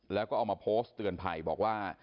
แล้วก็เอามาโพสต์เตือนภัยบอกว่า